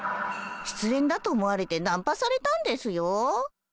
失恋だと思われてナンパされたんですよ。